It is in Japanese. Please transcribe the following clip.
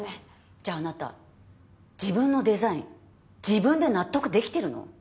じゃああなた自分のデザイン自分で納得できてるの？